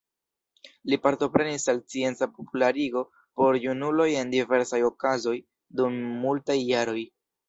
Li partoprenis al scienca popularigo por junuloj en diversaj okazoj dum multaj jaroj.